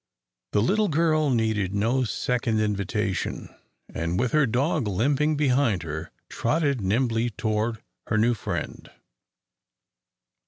The little girl needed no second invitation, and, with her dog limping behind her, trotted nimbly toward her new friend.